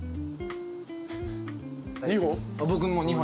２本？